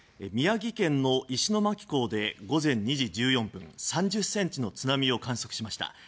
宮城県の石巻港で午前２時１４分３０ｃｍの津波を観測しました。